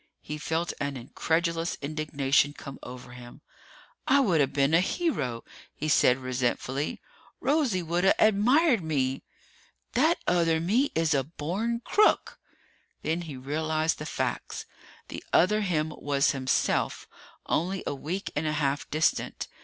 He felt an incredulous indignation come over him. "I woulda been a hero!" he said resentfully. "Rosie woulda admired me! That other me is a born crook!" Then he realized the facts. The other him was himself, only a week and a half distant.